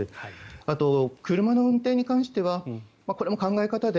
あと、車の運転に関してはこれも考え方で